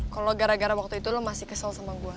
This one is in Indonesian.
kalau gara gara waktu itu lo masih kesel sama gue